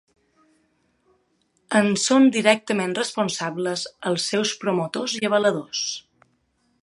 En són directament responsables els seus promotors i avaladors.